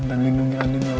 dan lindungi andi ya allah